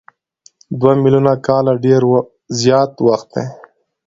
دوه میلیونه کاله ډېر زیات وخت دی.